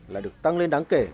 là được tăng lên đáng kể